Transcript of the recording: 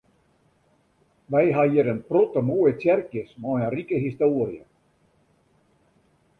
Wy ha hjir in protte moaie tsjerkjes mei in rike histoarje.